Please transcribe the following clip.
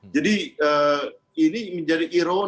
jadi ini menjadi ironi